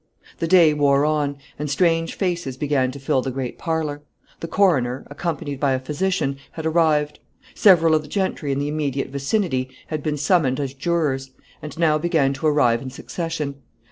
The day wore on, and strange faces began to fill the great parlor. The coroner, accompanied by a physician, had arrived. Several of the gentry in the immediate vicinity had been summoned as jurors, and now began to arrive in succession.